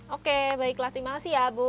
oke baiklah terima kasih ya bu